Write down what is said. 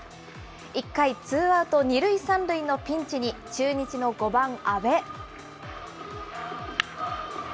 １回ツーアウト２塁３塁のピンチに、中日の５番阿部。